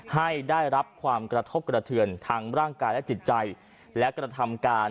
ให้ได้รับความกระทบกระเทือนทางร่างกายและจิตใจและกระทำการ